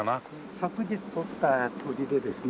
昨日撮った鳥でですね